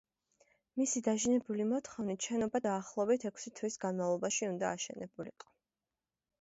მისი დაჟინებული მოთხოვნით შენობა დაახლოებით ექვსი თვის განმავლობაში უნდა აშენებულიყო.